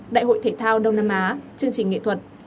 đại hội thể thao đông nam á chương trình nghệ thuật